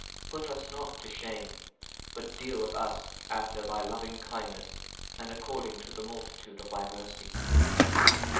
19 Put us not to shame: but deal with us after thy lovingkindness, and according to the multitude of thy mercies.